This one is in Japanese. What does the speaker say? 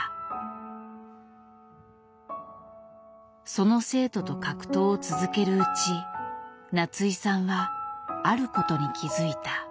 その生徒と格闘を続けるうち夏井さんはあることに気付いた。